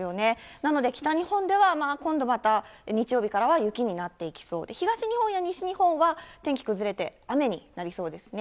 なので、北日本では今度また、日曜日からは雪になっていきそうで、東日本や西日本は天気崩れて、雨になりそうですね。